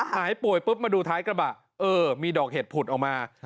หายป่วยปุ๊บมาดูท้ายกระบะเออมีดอกเห็ดผุดออกมา